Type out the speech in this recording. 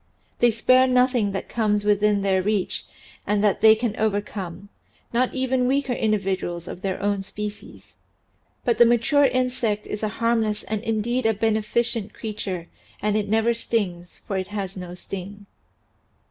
They spare nothing that comes within their reach and that they can overcome not even weaker individuals of their own species. But the mature insect is a harmless and indeed a beneficent creature and it never stings, for it has no sting.